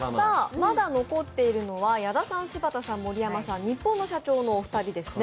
まだ残っているのは矢田さん、柴田さん、盛山さん、ニッポンの社長のお二人ですね。